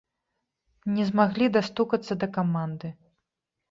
Не змаглі дастукацца да каманды.